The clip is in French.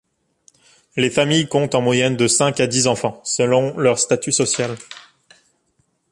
Les familles comptent en moyenne de cinq à dix enfants, selon leur statut social.